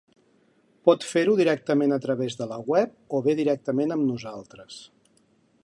Pot fer-ho directament a través de la web o bé directament amb nosaltres.